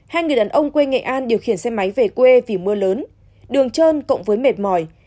hai người đàn ông quê nghệ an điều khiển xe máy về quê vì mưa lớn đường trơn cộng với mệt mỏi